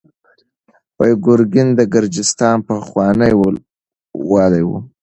ګورګین د ګرجستان پخوانی والي و.